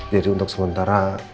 jadi untuk sementara